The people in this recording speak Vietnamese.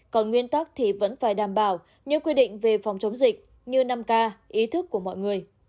còn nguyên tắc thì vẫn phải đảm bảo những quy định về phòng chống dịch như năm k ý thức của mọi người